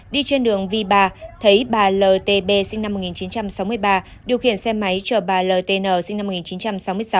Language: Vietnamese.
đi trên đường v ba thấy bà ltb sinh năm một nghìn chín trăm sáu mươi ba điều khiển xe máy chở bà ltn sinh năm một nghìn chín trăm sáu mươi sáu